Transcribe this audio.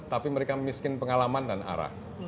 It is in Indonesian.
tapi mereka miskin pengalaman dan arah